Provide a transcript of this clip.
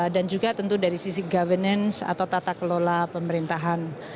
dan juga tentu dari sisi governance atau tata kelola pemerintahan